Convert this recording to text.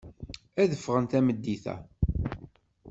Ad ffɣen tameddit-a.